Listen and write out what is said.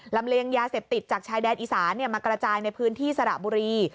เลียงยาเสพติดจากชายแดนอีสานมากระจายในพื้นที่สระบุรี